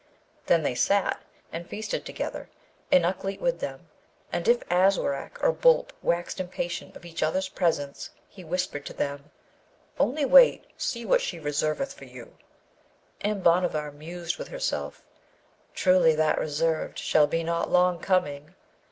Then they sat and feasted together, and Ukleet with them; and if Aswarak or Boolp waxed impatient of each other's presence, he whispered to them, 'Only wait! see what she reserveth for you.' And Bhanavar mused with herself, 'Truly that reserved shall be not long coming!'